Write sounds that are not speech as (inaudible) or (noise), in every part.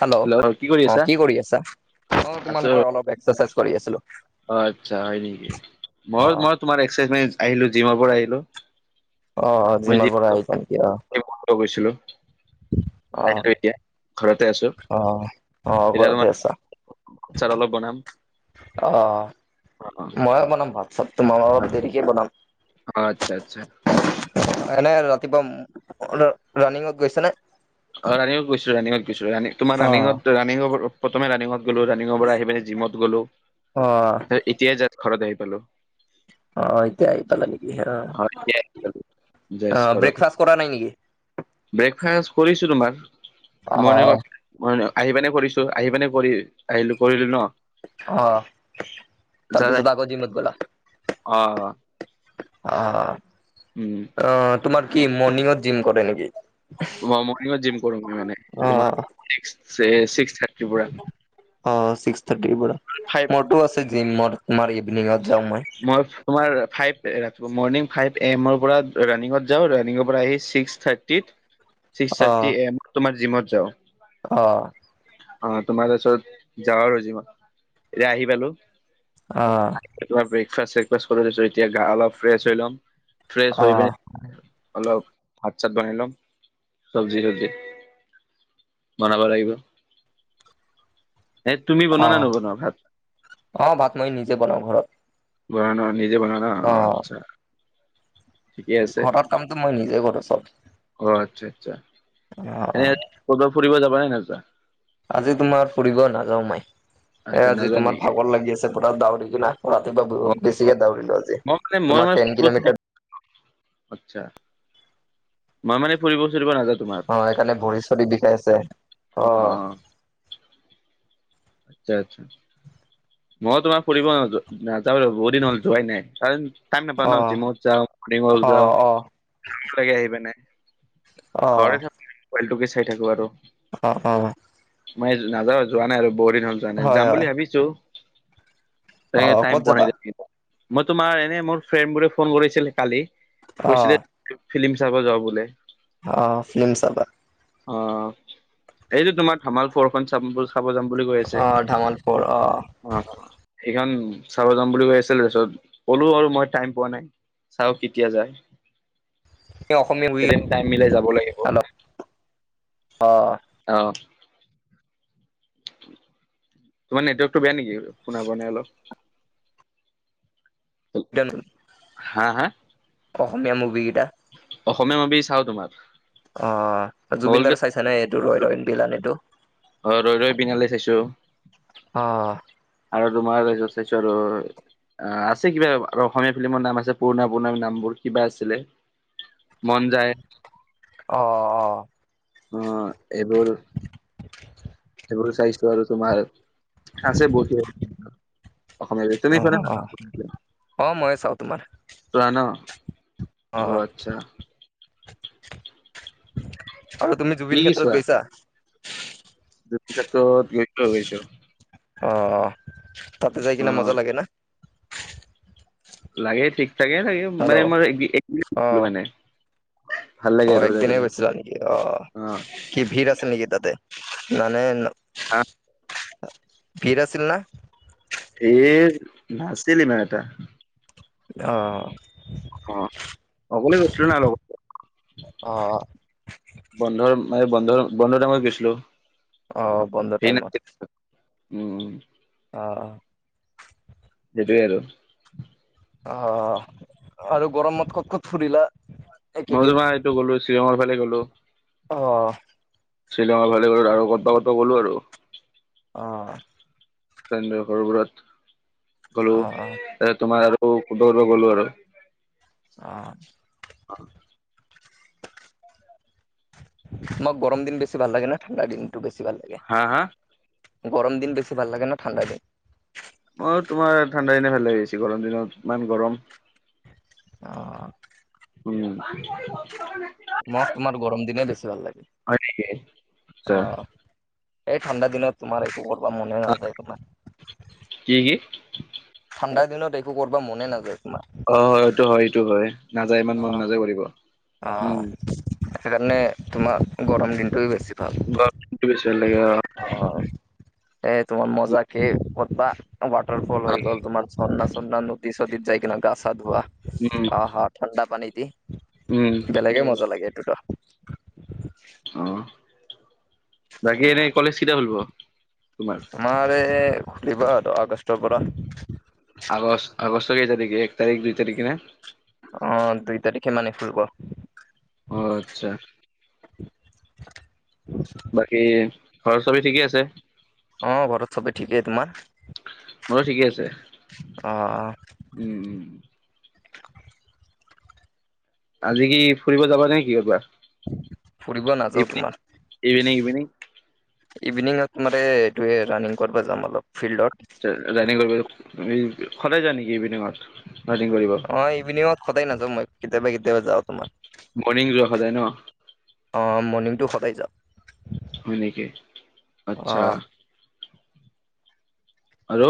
Hello অ কি কৰি আছা অ আছো তোমাৰ মই অলপ এক্সাৰচাইজ কৰি আছিলো। অ আচ্ছা হয় নেকি অ মই মইও তোমাৰ এক্সাৰচাইজ মাৰি আহিলো জিমৰ পৰা আহিলো। অ অ জিমৰ পৰা আহিছা নেকি অ। এ (unintelligible) গৈছিলো। অ মই টো এতিয়া ঘৰতে আছো, অ অ এতিয়া ঘৰতে তোমাৰ আছা আচাৰ অলপ বনাম। অ অ ময়ে বনাম ভাত চাত, তোমাৰ অলপ দেৰিকে বনাম। অ আচ্ছা আচ্ছা। এনে ৰাতিপুৱা ম ৰা ৰাণিংত গৈছা নে? অ ৰানিংত গৈছো ৰানিংত গৈছো ৰা তোমাৰ অ ৰানিংত ৰানিংত প্ৰথমে ৰানিংত গলো ৰাণিঙৰ পৰা আহি পেলি জিমত গলো, অ এতিয়াই যাষ্ট ঘৰত আহি পালো। অ এতিয়া আহি পালা নেকি অ, এতিয়া আহি পালো অ জাষ্ট ঘৰত ব্ৰেকফাষ্ট কৰা নাই নেকি? ব্ৰেকফাষ্ট কৰিছোঁ তোমাৰ অ মৰ্ণিং ত। মৰ্ণিংত আহি পেনে কৰিছো আহি পেনে কৰি আহিলো কৰিলো ন। অ যা তাৰপিছত আকৌ জিমত গলা? অ অ অ। উম। অ তোমাৰ কি মৰ্ণিঙত জিম কৰে নেকি? ম মৰ্ণিঙত জিম কৰোগে মানে তোমাৰ অ ছিক্স অ চিক্স থাৰ্টিৰ পৰা। অ ছিক্স থাৰ্টিৰ পৰা, ফাইভ মইতো আছে জিম মই তোমাৰ ইভিনিঙত যাওঁ মই। মই তোমাৰ ফাইভ ৰা মৰ্ণিং ফাইভ এ এমৰ পৰা ৰানিংত যাওঁ ৰানিংৰ পৰা আহি ছিক্স ক্স থাৰ্টিত (unintelligible) ছিক্স থাৰ্টি এ এম তোমাৰ জিমত যাওঁ। অঁ অঁ তোমাৰ তাৰপিছত যাওঁ আৰু জিমত এতিয়া আহি পালো। অঁ' তোমাৰ ব্ৰেকফাষ্ট চেকফাষ্ট কৰি দিছো এতিয়া গা অলপ ফ্ৰেছ হৈ ল'ম। ফ্ৰেছ অ হৈ পিনি- অলপ ভাত চাত বনাই লম চবজি তবজি। বনাব লাগিব এ তুমি বনোৱা নে নবনোৱা ভাত? অঁ' ভাত মই নিজে বনাওঁ ঘৰত। বনাও না নিজে বনাও ন, অঁ আ‌ৎচ্ছা। ঘৰত কামটো মই নিজে কৰো চব, অ আচ্ছা আচ্ছা অঁ এনে অঁ। ক'ৰবাত ফুৰিব যাবা নে নোযোৱা? আজি তোমাৰ ফুৰিব নাযাওঁ মই, এ আচ্ছা আজি নাযোৱা তোমাৰ নেকি? ভাগৰ লাগি আছে। পুৰা দাউৰিলো না ৰাতিপুৱা অ', বহুত অ', বেছিকে দাউৰিলো আজি। মই মই তোমাৰ মানে টেন থাকিব পৰা কিলোমিটাৰ নাই। আৎচ্ছা। মই মানে ফুৰিব চুৰিব নাজাওঁ তোমাৰ। অঁ' সেইকাৰণে ভৰি চৰি বিষাই আছে। অ অঁ অঁ' আৎচ্ছা আৎচ্ছা। মই তোমাৰ ফুৰিব নয নাযাওঁৱে বহুত দিন হল যোৱাই নাই কাৰণ- টাইম নাপাওঁ অ ন জিমত যাওঁ অ মৰ্ণিংৱাকত যাওঁ অ টান লাগে আহি পিনে। অ ঘৰতে থাকো মোবাইলটোকে চাই থাকো আৰু। অঁ অঁ' মই নাযাওঁ যোৱা নাই আৰু বহু দিন হল যোৱা নাই হয় যাম হয় বুলি ভাবিছো। তাকে অ টাইম ক'ত পোৱা যাবা নাই মই তোমাৰ এনেই মোৰ ফ্ৰেণ্ড বোৰে ফোন কৰিছিলে কালি। অ কৈছিলে ফিল্ম চাব যাওঁ বোলে। অঁ ফিলিম চাব। অঁ এইটো তোমাৰ ধামাল ফৰখন চাম ব'ল। চাব যাম বুলি কৈ আছে। অ ধামাল ফৰ অ অঁ অঁ সেইখন চাব যাম বুলি কৈ আছিল তাৰপিছত কলো আৰু মই টাইম পোৱা নাই। চাও কেতিয়া যায়, এই অসমীয়া মুভি এদিন টাইম মিলাই যাব লাগিব। অলপ অ' অঁ' তোমাৰ নেট ৱৰ্কটো বেয়া নেকি শুনা পোৱা নাই অলপ। তেন- হাঁ হাঁ। অসমীয়া মুভি গিটা। অসমীয়া মুভি চাওঁ তোমাৰ। অঁ মংগলদৈ জুবিনদাৰ চাইছ নে এইটো ৰৈ ৰৈ বিনালে টো। অ' ৰৈ ৰৈ বিনালে চাইছো। অঁ' আৰু তোমাৰ চাইছোঁ আৰু। অঁ আছে কিবা আৰু অসমীয়া ফিল্মৰ নাম আছে পুৰণা পুৰণা নাম বোৰ কিবা আছিলে? মন যায়। অ অ অ অ' অঁ এইবোৰ এইবোৰ চাইছ- টো আৰু তোমাৰ আছে বহুত। অ অ (unintelligible) অ মইয়ে চাওঁ তোমাৰ চোৱা ন অ আচ্ছা। আৰু তুমি কি জুবিন ক্ষেত্ৰত গৈছা? জুবিন ক্ষেত্ৰত গৈছো গৈছো। অ। তাতে যাই অ কিনে মজা লাগে না? লাগে ঠিক থাকেই লাগে হেল্ল' মানে অ মোৰ একদিনেই গৈছিলো মানে। ভাল অ লাগে আৰু যাই একদিনেই পিনে গৈছিলা নিকি অ। কি ভিৰ আছিল নিকি তাতে মানে না হা ভিৰ আছিল না? ভিৰ নাছিল ইমান এটা। অ। অ, অকলে গৈছিলা নে লগত অ বন্ধৰ মানে বন্ধৰ বন্ধৰ টাইমত গৈছিলো। অ, বন্ধৰ ভিৰ নাছিল টাইমত। উম। অ অ। সেইটোৱে আৰু। অ অ। আৰু গৰমত ক'ত ক'ত ফুৰিলা? মই একেইদিন তোমাৰ এইটো গ'লো শ্বিলঙৰ ফালে গ'লো। অ। শ্বিলঙৰ ফালে গ'লো আৰু ক'তবা ক'তবা গ'লো আৰু। অ। ফ্ৰেণ্ডৰ ঘৰবোৰত গ'লো অ অ এ তোমাৰ আৰু ক'তবা ক'তবা গ'লো আৰু। অ। অ। তোমাক গৰম দিন বেছি ভাল লাগে নে ঠাণ্ডা দিনটো বেছি ভাল লাগে? হা হা? গৰম দিন বেছি ভাল লাগে নে ঠাণ্ডা দিন? মোৰ তোমাৰ ঠাণ্ডা দিনেই ভাল লাগে বেছি গৰম দিনত ইমান গৰম। অ। উম। মোক তোমাৰ গৰম দিনেই বেছি ভাল লাগে। হয় নেকি আচ্ছা অ। এই ঠাণ্ডা দিনত তোমাৰ একো কৰিবা মনে নাযায় তোমাৰ। কি কি? ঠাণ্ডা দিনত একো কৰিব মনে নাযায় তোমাৰ। অ হয় এইটো হয় এইটো হয় নাযায় ইমান অ মন নাযায় কৰিব অ উম। সেইকাৰণে তোমাৰ গৰম দিনটোয়ে বেছি ভাল। গৰম দিনটোয়ে বেছি ভাল লাগে অ। অ এ তোমাৰ মজাকে ক'তবা ৱাটাৰ ফল হৈ গ'ল তোমাৰ চন্না নদী-চদীত যাই কেনে গা-চা ধোৱা। উম। অ অ ঠাণ্ডা পানী দি উম বেলেগে মজা লাগে এইটোটো। অ। বাকী এনেই কলেজ কেতিয়া খুলিব তোমাৰ? আমাৰ এই খুলিব আৰু আগষ্টৰ পৰা। আগষ্ট আগষ্টৰ কেই তাৰিখে এক তাৰিখ দুই তাৰিখে নে। অ দুই তাৰিখে মানে খুলিব। অ, আচ্ছা। বাকী ঘৰত সবে ঠিকেই আছে? অ ঘৰত চবে ঠিকে তোমাৰ। মোৰো ঠিকে আছে। অ উম। উম আজি কি ফুৰিব যাবা নেকি? ফুৰিব (unintelligible) নাযাও ইভি তোমাৰ ইভিনিং ইভিনিং। ইভিনিঙত মাৰে এইটোৱে ৰানিং কৰিব যাম অলপ। ফিল্ডত ৰানিং কৰিব সদায় যা নেকি ইভিনিঙত ৰানিং কৰিব। অ ইভিনিঙত সদায় নাযাওঁ মই, কেতিয়াবা কেতিয়াবা যাওঁ তোমাৰ। মৰ্ণিং যোৱা সদায় ন? অঁ মৰ্ণিংটো সদায় যাও। হয় নেকি? অ আচ্ছা। আৰু?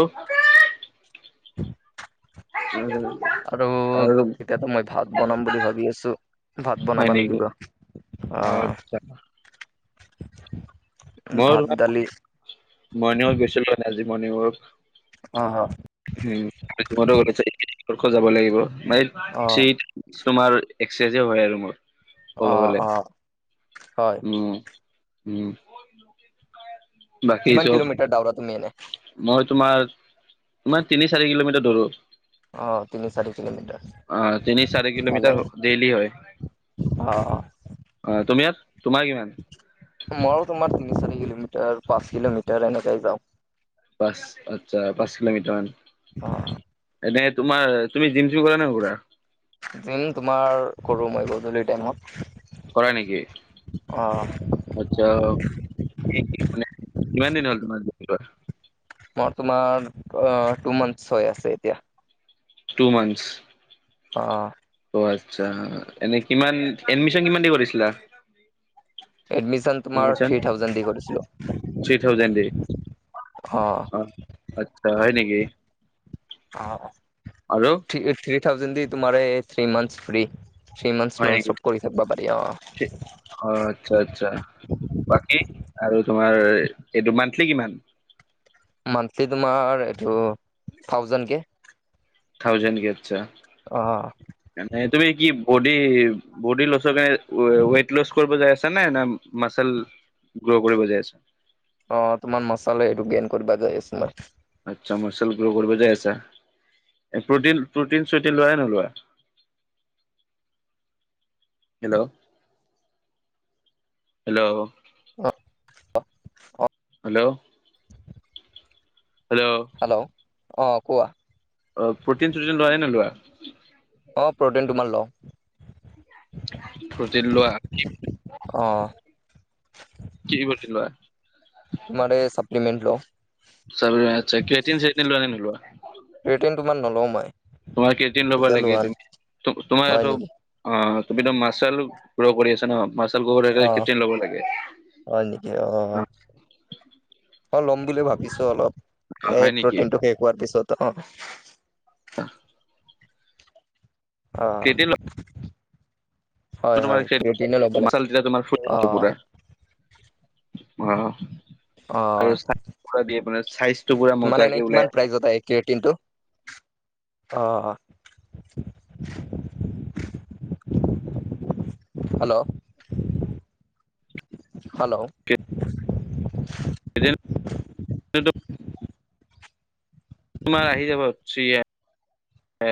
(inaudible) (unintelligible) আৰু আৰু এতিয়াতো মই ভাত বনাম বুলি ভাবি আছো। ভাত বনাব লাগিব। অ, আচ্ছা। মই ভাত দালি তোমাৰ মৰ্ণিংৱাক গৈছিলো মানে আজি মৰ্ণিংৱাক। অ, হ। উম, (unintelligible) যাব লাগিব। অ (unintelligible) কিছুমাৰ এক্সেজে হয় আৰু মোৰ। অ ক'ব গলে অ হয় উম উম। বাকী কিমান চব কিলোমিটাৰ দাউৰা তুমি এনে? মই তোমাৰ তোমাৰ তিনি চাৰি কিলোমিটাৰ দউৰো। অ তিনি চাৰি কিলোমিটাৰ অ তিনি, চাৰি ভালে কিলোমিটৰ ডেইলি হয়। অ অ অ তুমি আৰ, তোমাৰ কিমান? মইয়ো তোমাৰ তিনি, চাৰি কিলোমিটাৰ, পাঁচ কিলোমিটাৰ এনেকেই যাওঁ। পাঁচ আচ্ছা পাঁচ কিলোমিটাৰ মান। অ। এনে তোমাৰ তুমি জিম চিম কৰা নে নকৰা? জিম তোমাৰ কৰোঁ মই গধূলি টাইমত। কৰা নেকি? অ আচ্ছা। (unintelligible) কিমান দিন হ'ল তোমাৰ? (unintelligible) মোৰ, তোমাৰ আ টু মান্থছ হৈ আছে এতিয়া। Two months. অ'। অ', আচ্ছা। এনে কিমান, এডমিছন কিমান দিছিলা? এডমিছন তোমাৰ থ্ৰী থাউজেণ্ড দি কৰিছিলোঁ, থ্ৰী থাউজেণ্ড দি অ'। আচ্ছা, হয় নেকি? অ', আৰু থ্ৰী থাউজেণ্ড দি তোমাৰে three months free. Three month হয় নেকি নন-ষ্টপ কৰিছে। (unintelligible) অ', আচ্ছা, আচ্ছা। বাকী, আৰু তোমাৰ এইটো মান্থলি কিমান? মান্থলি তোমাৰ এইটো থাউজেণ্ড কে। থাউজেণ্ড কে আচ্ছা। অ'। ন, তুমি কি বদি বডি লছৰ বাবে ৱেইট লছ কৰিব বিচাৰিছা নেকি নে, মাচল গ্ৰ' কৰিব গৈ আছা? অ', তোমাৰ মাচলেই এইটো গেইন কৰিব গৈ আছোঁ মই। আচ্ছা, মাচল গ্ৰ' কৰিব গৈ আছা? প্ৰ'টিন-চটিন লোৱা নে নলোৱা? (inaudible) Hello, hello. অ', -অ, - অ,। হেল্ল,। হেল্ল'। হেল্ল', অ', কোৱা? অ', প্ৰ'টিন‌-চটিন লোৱা নে নোলোৱা? অঁ, প্ৰ'টিন তোমাৰ লউ। প্ৰ'টিন লোৱা? অঁ',। কি প্ৰ'টিন লোৱা? তোমাৰে ছাপ্লিমেণ্ট লোৱা। চল, আচ্ছা। কেটিন, চেটিন‌ লোৱা নে নোলোৱা? ক্ৰিয়েটিন তোমাৰ নলওঁ মই। তোমাৰ ক্ৰিয়েটিন ল'ব এতিয়া লাগে লোৱা তুমি, তোমাৰ হয় এইটো নেকি অ', তুমি তো মাচল গ্ৰ' কৰি আছা, ন গ্ৰ' কৰি অহ, ক্ৰেটিন ল'ব লাগে হয় নেকি? অহ। অ', ল'ম বুলি ভাবিছোঁ অলপ, অ এই হয় নেকি প্ৰ'টিনটো শেষ হোৱাৰ পিছত। অ',। ক্ৰেটিন হয় (unintelligible) হয় তোমাৰ ক্ৰিয়েটিনে ল'ব লাগে মাচল তোমাৰ শু, অ আপোনাৰ, অঁহ। অ আৰু মানে, চাইজটো পুৰা মজাকৈ ওলাই আহিছে। এই ক্ৰিয়েটিন টো। অ', অ,। Hello, hello,. ক্ৰিয়েটন, টো। তোমাৰ আহি যাব, থিয়েম।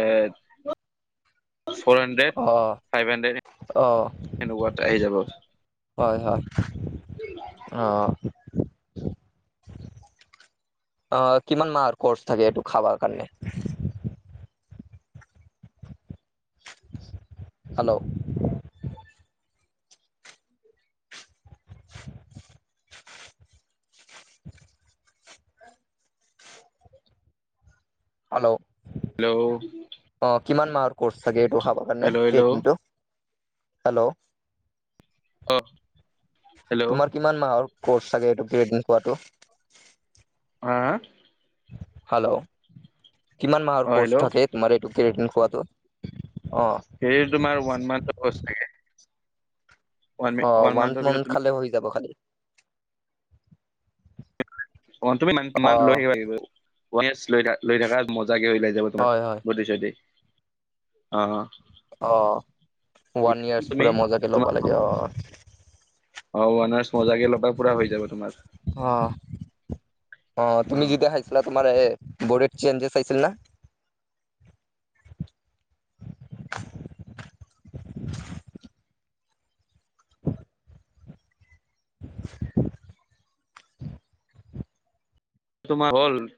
ফ'ৰ হাণ্ড্ৰেড, ফাইভ হাণ্ড্ৰেড, অ এনেকুৱাই আহি যাব। হয়- হয়, অ',। অ', কিমান মাহৰ কচ থাকে এইটো খাবৰ কাৰণে? হেল্ল',। (inaudible) (inaudible) হেল্ল'। হেল্ল' অ', কিমান মাহৰ কৰ্চ থাকে এইটো খাবৰ হেল্ল' হেল্ল' অ কাৰণেটো? হেল্ল'। ক! তোমাৰ কিমান মাহৰ কৰ্চ থাগে এইটো কেৰেটিন কোৱাটো? আহ'! হেল্ল', কিমান মাহৰ অ হেল্ল' কৰ্চ থাকে? তোমাৰ এইটো কেৰেটিৰৰ্ণ খোৱাটো! অঁ। হেৰি তোমাৰ ওৱান মান্থৰ কৰ্চ থাকে। ওৱান অ' ওৱান মান্থৰ ভিতৰত মন্থ তুমি খালে হৈ যাব খালি। অ' তুমি মান্থ অ মান্থ লৈ থাকিব লাগিব ল-লৈ থাকা মজাকে লৈ (unintelligible) হয় হয় বডি চডি, অ', অ'। অ' ওৱান ইয়াৰ্চ পুৰা মজাতে তোমাৰ ল'বা লাগে অ'। অ' ওৱান ৱাৰ্চ মজাকে ল'বা পুৰা হৈ যাব তোমাৰ। অ', অ' তুমি যেদিয়া খাইছিলা তোমাৰ এ, বডত চেঞ্জেছ আহিছিল না? (inaudible) তোমাৰ হ'ল